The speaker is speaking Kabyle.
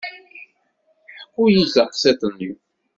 Ḥku-iyi-d taqsiṭ-nni.